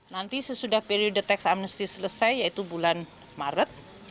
nanti sesudah periode teks amnesti selesai yaitu bulan maret